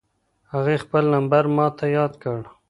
هغې خپل نمبر ماته یاد کړ.